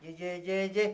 j j j j